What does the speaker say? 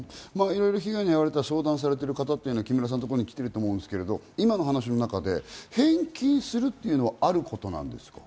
被害に遭われた相談されている方というのは、木村さんの元に来ていると思うんですが、今の話で返金するというのはあることなんですか？